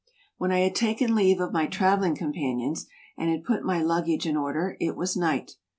When I had taken leave of my traveling companions, and had put my luggage in order, it was night.